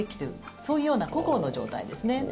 そういうような心の状態ですね。